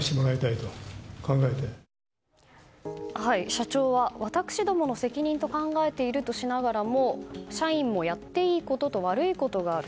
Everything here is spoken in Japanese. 社長は、私共の責任と考えているとしながらも社員もやっていいことと悪いことがある。